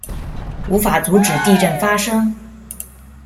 无法阻止地震发生